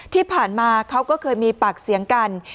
ที่ผ่านมาเขาก็เคยมีปากเสียงกัน